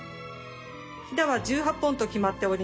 ひだは１８本と決まっております。